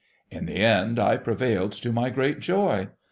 In the end I jjrevailed, to my great joy.